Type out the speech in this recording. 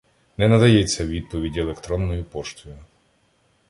Не надається відповідь електронною поштою.